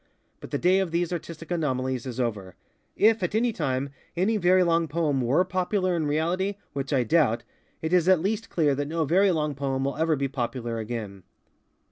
But the day of these artistic anomalies is over. If, at any time, any very long poem _were _popular in reality, which I doubt, it is at least clear that no very long poem will ever be popular again.